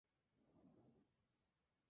La sede del condado es Saluda.